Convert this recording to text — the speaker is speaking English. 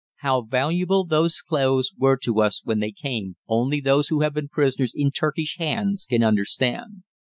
How valuable those clothes were to us when they came, only those who have been prisoners in Turkish hands can understand.